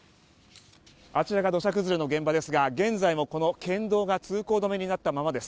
あちらが土砂崩れの現場ですが現在もこの県道が通行止めになったままです。